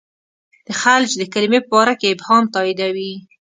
د خلج د کلمې په باره کې ابهام تاییدوي.